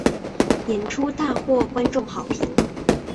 演出大获观众好评。